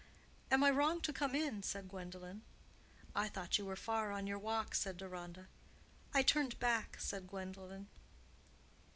"Am I wrong to come in?" said Gwendolen. "I thought you were far on your walk," said Deronda. "I turned back," said Gwendolen.